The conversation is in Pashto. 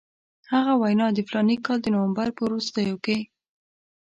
هغه وینا د فلاني کال د نومبر په وروستیو کې.